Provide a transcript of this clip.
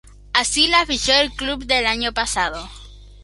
Así la fichó el club el año pasado.